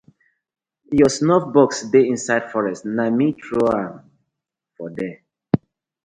Yur snuff bosx dey inside forest, na me trow am for there.